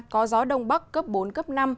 có gió đông bắc cấp bốn năm